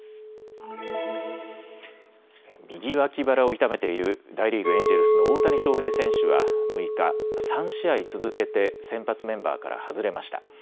右脇腹を痛めている大リーグ、エンジェルスの大谷翔平選手は６日、３試合続けて先発メンバーから外れました。